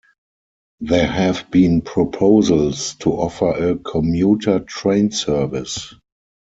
There have been proposals to offer a commuter train service.